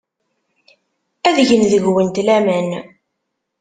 Ad gent deg-went laman.